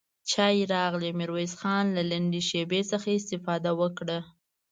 چای راغی، ميرويس خان له لنډې شيبې څخه استفاده وکړه.